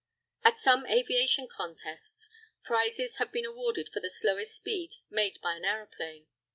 At some aviation contests, prizes have been awarded for the slowest speed made by an aeroplane.